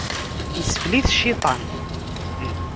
Isfel-it cciṭan.